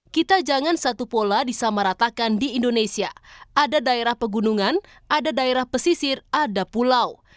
kita jangan satu pola disamaratakan di indonesia ada daerah pegunungan ada daerah pesisir ada pulau